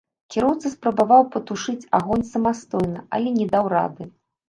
Кіроўца спрабаваў патушыць агонь самастойна, але не даў рады.